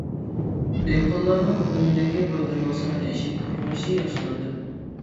دېھقانلارنىڭ قوتاندىكى قويلىرىنىڭ سانى ئېشىپ، تۇرمۇشى ياخشىلاندى.